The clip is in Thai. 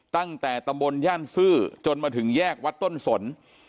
ตั้งแต่ตำบลย่านซื่อจนมาถึงแยกวัดต้นสน